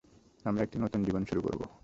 আমরা একটি নতুন জীবন শুরু করবো।